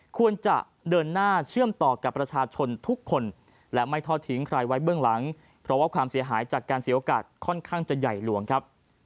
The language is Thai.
ควรจะเดินหน้าเชื่อมต่อกับประชาชนทุกคนและไม่ทอดทิ้งใครไว้เบื้องหลังเพราะว่าความเสียหายจากการเสียโอกาสค่อนข้างจะใหญ่หลวงครับ